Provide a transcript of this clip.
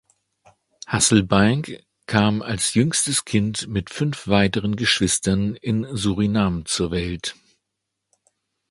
Hasselbaink kam als jüngstes Kind mit fünf weiteren Geschwistern in Suriname zur Welt.